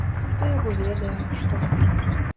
Хто яго ведае, што.